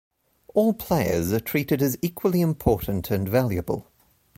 All players are treated as equally important and valuable.